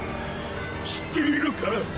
知っているか？